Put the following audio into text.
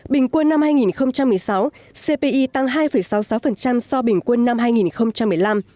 bình quân năm hai nghìn một mươi sáu cpi tăng hai sáu mươi sáu so bình quân năm hai nghìn một mươi năm